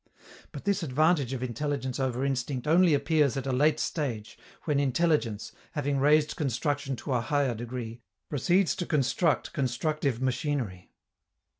But this advantage of intelligence over instinct only appears at a late stage, when intelligence, having raised construction to a higher degree, proceeds to construct constructive machinery.